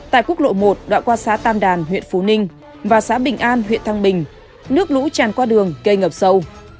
tại quốc lộ một đoạn qua xã tam đàn huyện phú ninh và xã bình an huyện thăng bình nước lũ tràn qua đường gây ngập sâu